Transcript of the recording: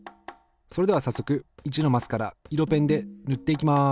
それでは早速１のマスから色ペンで塗っていきます。